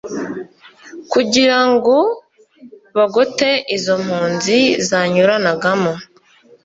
kugira ngo bagote izo mpunzi zanyuranagamo